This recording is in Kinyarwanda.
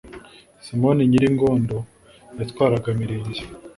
simoni nyiringondo yatwaraga mirenge